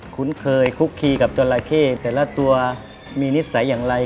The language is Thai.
คุ้นเคยคุกคีกับจราเข้แต่ละตัวมีนิสัยอย่างไร